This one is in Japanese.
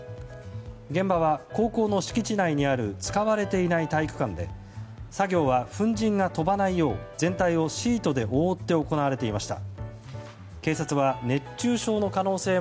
現場は高校の敷地内にある使われていない体育館で作業は粉じんが飛ばないよう全体をシートで覆って行われていました。